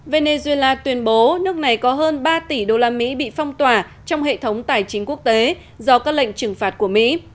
venezuela tuyên bố nước này có hơn ba tỷ đô la mỹ bị phong tỏa trong hệ thống tài chính quốc tế do các lệnh trừng phạt của mỹ